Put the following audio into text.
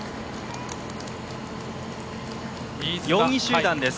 ４位集団です。